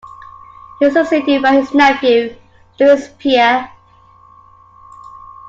He was succeeded by his nephew, Louis Pierre.